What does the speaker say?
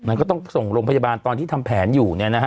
มันก็ต้องส่งลงพยาบาลตอนที่ทำแผนอยู่เนี่ยนะฮะ